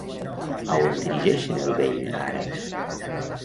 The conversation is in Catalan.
A on dirigeixen el vell, ara?